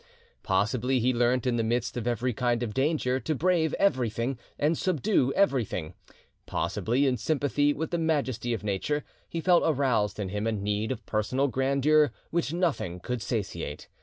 Possibly he learnt in the midst of every kind of danger to brave everything and subdue everything; possibly in sympathy with the majesty of nature, he felt aroused in him a need of personal grandeur which nothing could satiate.